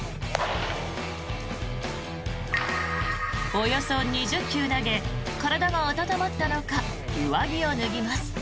およそ２０球投げ体が温まったのか上着を脱ぎます。